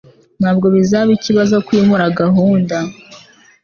Ntabwo bizaba ikibazo kwimura gahunda.